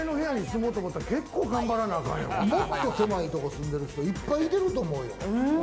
もっと狭いところに住んでる人、いっぱいいてると思うよ。